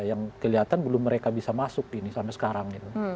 yang kelihatan belum mereka bisa masuk ini sampai sekarang gitu